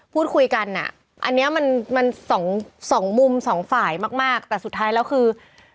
พูดคุยกันอ่ะอันนี้มันสองมุมสองฝ่ายมากแต่สุดท้ายแล้วคือ